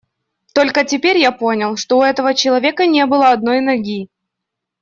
Только теперь я понял, что у этого человека не было одной ноги.